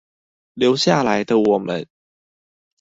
留下來的我們